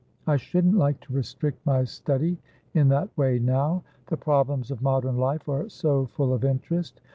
I shouldn't like to restrict my study in that way now. The problems of modern life are so full of interest.